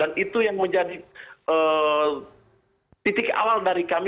dan itu yang menjadi titik awal dari kami